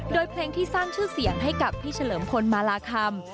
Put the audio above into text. โดยเพลงที่สร้างชื่อเสียงให้กับพี่เฉลิมพลมาลาคำ